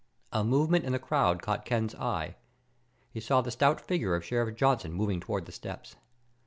A movement in the crowd caught Ken's eye. He saw the stout figure of Sheriff Johnson moving toward the steps.